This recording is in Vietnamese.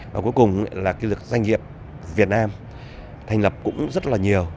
và cuối cùng là cái lực doanh nghiệp việt nam thành lập cũng rất là nhiều